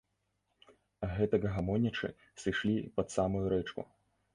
Гэтак гамонячы, сышлі пад самую рэчку.